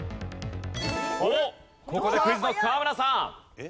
おっここでＱｕｉｚＫｎｏｃｋ河村さん。